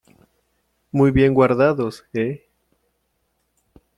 muy bien guardados ,¿ eh ?